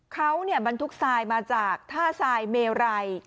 เขาบรรทุกทรายมาจากท่าทรายเมไร